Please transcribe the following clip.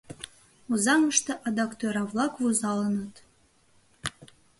Озаҥыште адак тӧра-влак вузалыныт.